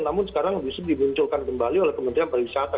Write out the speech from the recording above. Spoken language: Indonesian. namun sekarang bisa dibunculkan kembali oleh kementerian pariwisata